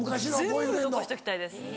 全部残しときたいです。